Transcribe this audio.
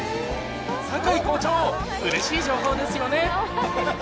堺校長、うれしい情報ですよね。